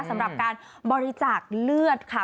สำหรับการบริจาคเลือดค่ะ